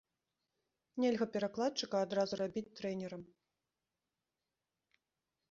Нельга перакладчыка адразу рабіць трэнерам.